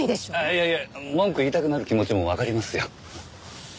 いやいや文句言いたくなる気持ちもわかりますよ。